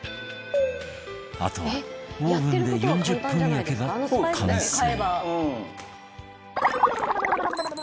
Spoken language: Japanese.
あとはオーブンで４０分焼けば完成